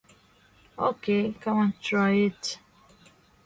She spoke numerous languages: Latin, Greek, French, Italian and Spanish.